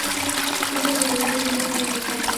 Ming, আমি মেই-মেইয়ের ব্যাপারে জানি।